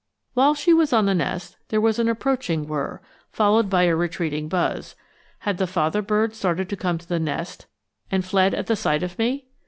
While she was on the nest, there was an approaching whirr, followed by a retreating buzz had the father bird started to come to the nest and fled at sight of me?